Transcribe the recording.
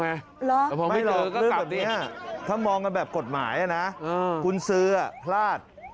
ไม่หรอกเรื่องแบบนี้ถ้ามองกันแบบกฎหมายนะคุณซื้อพลาด